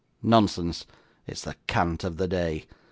nonsense, it's the cant of the day.